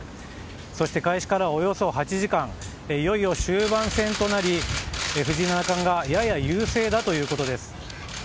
そして開始から、およそ８時間いよいよ終盤戦となり藤井七冠がやや優勢だということです。